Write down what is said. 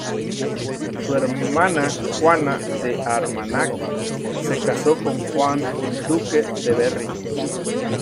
Su hermana, Juana de Armagnac, se casó con Juan, Duque de Berry.